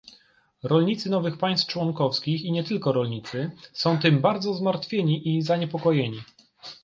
Rolnicy nowych państw członkowskich, i nie tylko rolnicy, są tym bardzo zmartwieni i zaniepokojeni